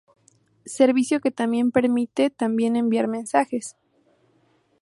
servicio que también permite también enviar mensajes